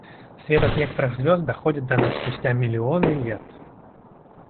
Свет от некоторых звезд доходит до нас спустя миллионы лет.